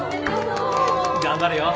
頑張れよ。